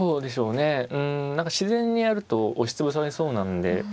うん何か自然にやると押し潰されそうなんで。